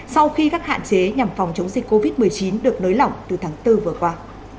sau khi các hạn chế nhằm phòng chống dịch covid một mươi chín được nới lỏng từ tháng bốn vừa qua